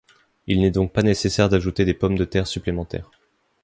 Il n'est donc pas nécessaire d'ajouter des pommes de terre supplémentaires.